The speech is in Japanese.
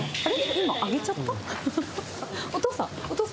今、あげちゃった？